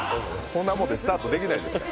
こんなんでスタートできないですよ。